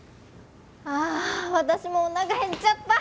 ああ私もおなか減っちゃった！